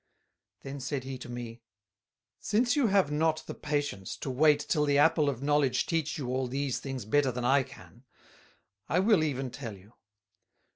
Then said he to me: "Since you have not the patience, to wait till the Apple of Knowledge teach you all these things better than I can, I will even tell you.